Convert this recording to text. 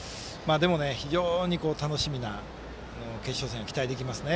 非常に楽しみな決勝戦が期待できます。